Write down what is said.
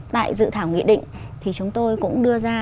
tại dự thảo nghị định thì chúng tôi cũng đưa ra